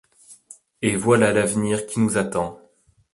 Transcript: Et voilà l’avenir qui nous attend.